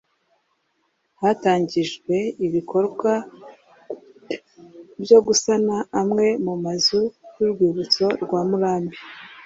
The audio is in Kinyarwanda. Hatangijwe ibikorwa byo gusana amwe mu mazu y urwibutso rwa murambi